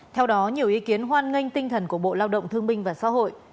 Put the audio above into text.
theo đó nhiều ý kiến hoan nghênh tinh thần của bộ lao động thương binh và xã hội